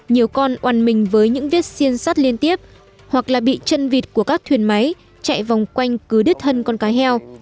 nhiều con oằn mình với những viết xiên sắt liên tiếp hoặc là bị chân vịt của các thuyền máy chạy vòng quanh cứ đứt thân con cá heo